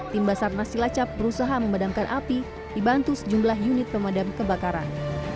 tim basarnas cilacap berusaha memadamkan api dibantu sejumlah unit pemadam kebakaran